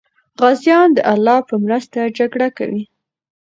غازیان د الله په مرسته جګړه کوي.